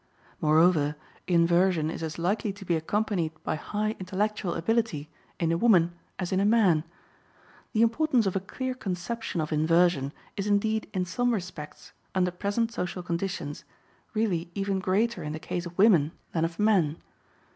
Moreover, inversion is as likely to be accompanied by high intellectual ability in a woman as in a man. The importance of a clear conception of inversion is indeed in some respects, under present social conditions, really even greater in the case of women than of men.